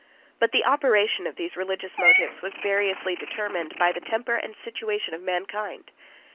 25 But the operation of these religious motives was variously determined by the temper and situation of mankind.